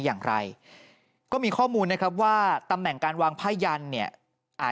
หลังจากพบศพผู้หญิงปริศนาตายตรงนี้ครับ